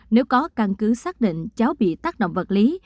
nó căn cứ xác định cháu bị tác động vật lý